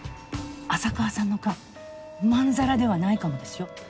浅川さんの勘まんざらではないかもですよ。